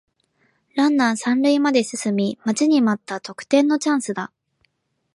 ランナー三塁まで進み待ちに待った得点のチャンスだ